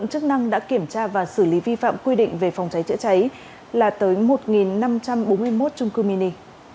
chức năng đã kiểm tra và xử lý vi phạm quy định về phòng cháy chữa cháy là tới một năm trăm bốn mươi một trung cư mini